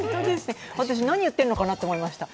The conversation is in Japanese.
私、何を言ってるのかなと思いました。